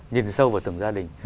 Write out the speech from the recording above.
nhìn sâu vào từng gia đình